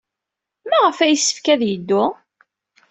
Maɣef ay yessefk ad yeddu?